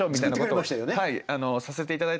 はい。